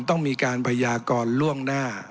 ต้องมีการพยากรล่วงหน้า